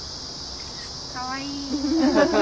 かわいい。